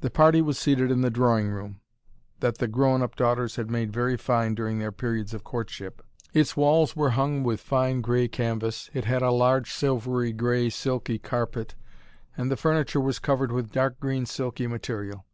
The party was seated in the drawing room, that the grown up daughters had made very fine during their periods of courtship. Its walls were hung with fine grey canvas, it had a large, silvery grey, silky carpet, and the furniture was covered with dark green silky material.